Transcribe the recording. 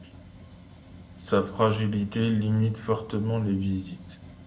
Sa fragilité limite fortement les visites.